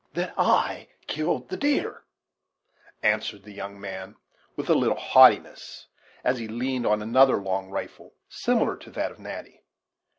"That I killed the deer," answered the young man, with a little haughtiness, as he leaned on another long rifle similar to that of Natty.